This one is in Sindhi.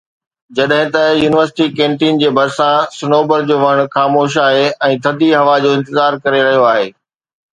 جڏهن ته يونيورسٽي ڪينٽين جي ڀرسان صنوبر جو وڻ خاموش آهي ۽ ٿڌي هوا جو انتظار ڪري رهيو آهي